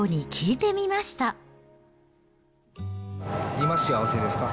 今、幸せですか。